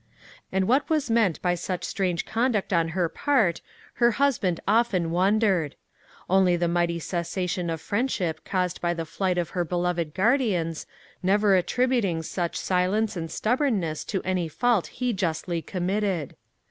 And what was meant by such strange conduct on her part, her husband often wondered. Only the mighty cessation of friendship caused by the flight of her beloved guardians, never attributing such silence and stubbornness to any fault he justly committed.